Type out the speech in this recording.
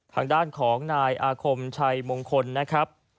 ทางด้านของนายอาคมชัยมงคลนะครับ